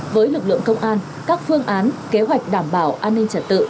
với lực lượng công an các phương án kế hoạch đảm bảo an ninh trật tự